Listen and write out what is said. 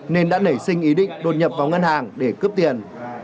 nên đã nảy sinh ý định đột nhập vào ngân hàng để cướp tiền